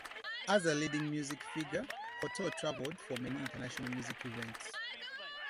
As a leading musical figure, Cortot traveled for many international music events.